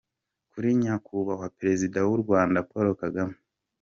Kuri Nyakubahwa Perezida w’u Rwanda Paul Kagame